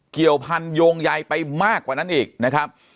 เกี่ยวพันโยงใยไปมากกว่านั้นอีกนะครับ